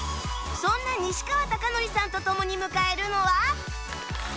そんな西川貴教さんと共に迎えるのは